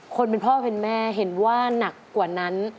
คนเป็นพ่อเป็นแม่เห็นว่านักกว่านั้น